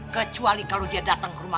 kecuali kalo dia datang ke rumah gue